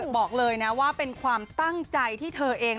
บอกเลยนะว่าเป็นความตั้งใจที่เธอเอง